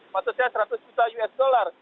maksudnya seratus juta us dolar